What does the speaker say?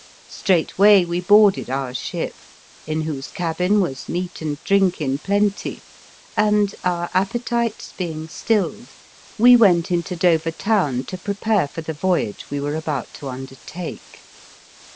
Straightway we boarded our ship, in whose cabin was meat and drink in plenty, and, our appetites being stilled, we went into Dover town to prepare for the voyage 5 The Fearsome Island we were about to undertake.